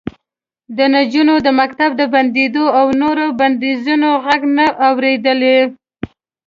د نجونو د مکتب د بندېدو او نورو بندیزونو غږ نه و اورېدلی